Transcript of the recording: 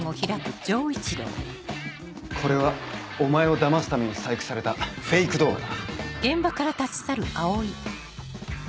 これはお前をだますために細工されたフェイク動画だ。